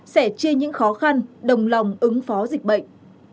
sẽ chia những khó khăn đồng lòng ứng phó dịch bệnh